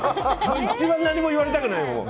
一番何も言われたくないもん。